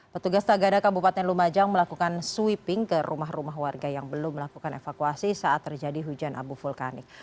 petugas tagana kabupaten lumajang melakukan sweeping ke rumah rumah warga yang belum melakukan evakuasi saat terjadi hujan abu vulkanik